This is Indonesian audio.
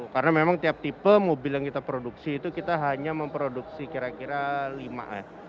karena memang tiap tipe mobil yang kita produksi itu kita hanya memproduksi kira kira lima ya